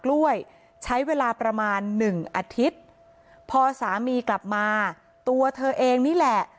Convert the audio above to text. กล้วยใช้เวลาประมาณหนึ่งอาทิตย์พอสามีกลับมาตัวเธอเองนี่แหละ